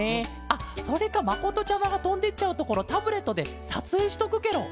あそれかまことちゃまがとんでいっちゃうところをタブレットでさつえいしとくケロ！